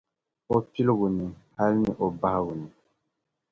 o piligu ni hal ni o bahigu ni.